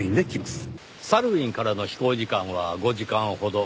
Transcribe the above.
サルウィンからの飛行時間は５時間ほど。